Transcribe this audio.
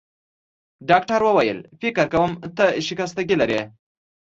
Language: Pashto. ډاکټر وویل: فکر کوم چي ته شکستګي لرې.